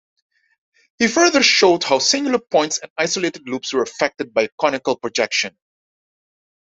He further showed how singular points and isolated loops were affected by conical projection.